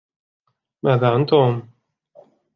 ماذا عن "توم"؟